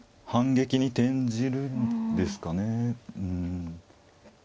反撃に転じるんですかね。